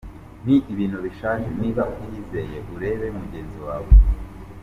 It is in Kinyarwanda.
Ni ibintu bishaje, niba utiyizeye urebe mugenzi wawe.